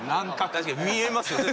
確かに見えますよね。